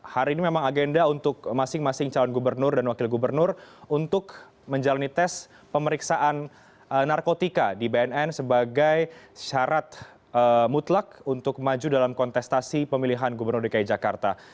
hari ini memang agenda untuk masing masing calon gubernur dan wakil gubernur untuk menjalani tes pemeriksaan narkotika di bnn sebagai syarat mutlak untuk maju dalam kontestasi pemilihan gubernur dki jakarta